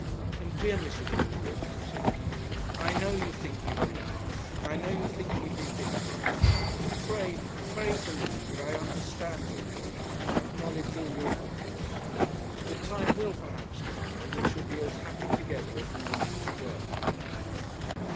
'And, dear Mrs. Woodward,' said he, 'I know you think me very harsh, I know you think me vindictive but pray, pray believe that I understand all your love, and acknowledge all your goodness. The time will, perhaps, come when we shall be as happy together as we once were.'